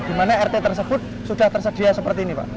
dimana rt tersebut sudah tersedia seperti ini pak